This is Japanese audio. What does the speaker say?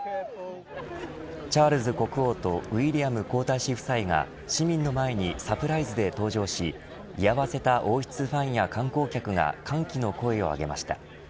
チャールズ国王とウィリアム皇太子夫妻が市民の前にサプライズで登場し居合わせた王室ファンや観光客が歓喜の声を上げました。